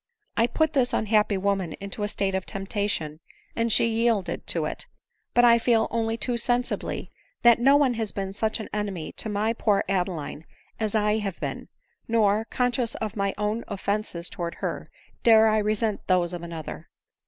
I put this unhappy woman into a state oi temptation, and she yielded to it :— but I feel only too sensibly, that no one has been such an enemy to my poor Adeline as I have been ; nor, conscious of my own offences towards her, dare I resent those of another.